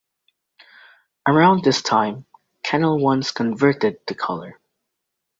Around this time, Canal Once converted to color.